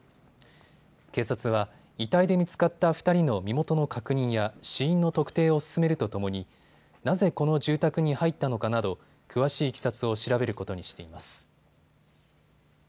警察は遺体で見つかった２人の身元の確認や死因の特定を進めるとともになぜこの住宅に入ったのかなど詳しいいきさつを調べることにしています。